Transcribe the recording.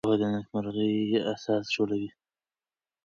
پوهه د نېکمرغۍ اساس جوړوي.